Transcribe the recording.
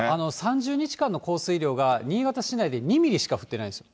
３０日間の降水量が、新潟市内で２ミリしか降ってないんです。